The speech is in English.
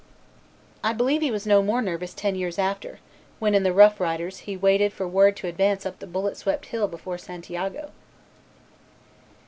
I believe he was no more nervous ten years after, when in the Rough Riders he waited for word to advance up that bullet swept hill before Santiago.